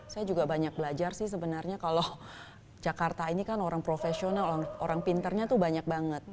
saya juga banyak belajar sih sebenarnya kalau jakarta ini kan orang profesional orang pintarnya tuh banyak banget